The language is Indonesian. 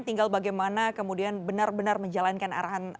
tinggal bagaimana kemudian benar benar menjalankan arahan